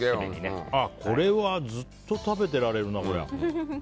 これはずっと食べてられるな。